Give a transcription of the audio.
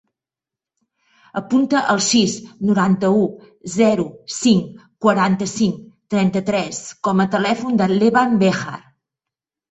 Apunta el sis, noranta-u, zero, cinc, quaranta-cinc, trenta-tres com a telèfon de l'Evan Bejar.